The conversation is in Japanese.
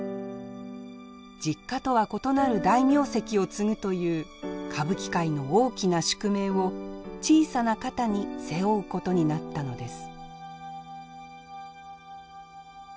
実家とは異なる大名跡を継ぐという歌舞伎界の大きな宿命を小さな肩に背負うことになったのです。